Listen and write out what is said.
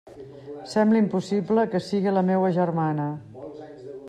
Sembla impossible que siga la meua germana!